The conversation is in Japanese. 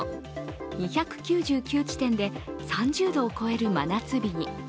２９９地点で３０度を超える真夏日に。